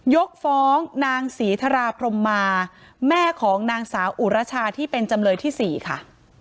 ยกฟ้องนางศรีธราพรมมาแม่ของนางสาวอุรชาที่เป็นจำเลยที่๔ค่ะ